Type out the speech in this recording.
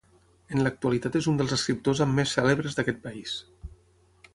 En l'actualitat és un dels escriptors amb més cèlebres d'aquest país.